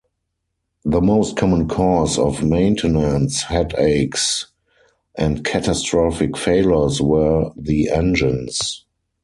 The most common cause of maintenance headaches and catastrophic failures were the engines.